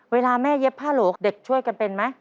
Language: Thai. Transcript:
เวลาแม่เย็บผ้าโหลกเด็กช่วยกันเป็นไหม